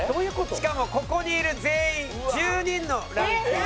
しかもここにいる全員１０人のランキング。